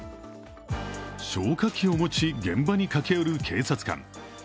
消火器を持ち、現場に駆け寄る警察官。